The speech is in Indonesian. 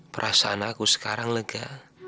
perasaan aku sekarang lega